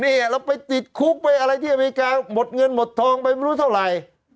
เราไปติดคุกไปอะไรที่อเมริกาหมดเงินหมดทองไปไม่รู้เท่าไหร่